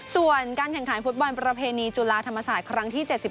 ส่วนการแข่งขันฟุตบอลประเพณีจุฬาธรรมศาสตร์ครั้งที่๗๒